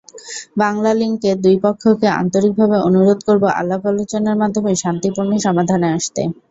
বাংলালিংকের দুই পক্ষকে আন্তরিকভাবে অনুরোধ করব আলাপ আলোচনার মাধ্যমে শান্তিপূর্ণ সমাধানে আসতে।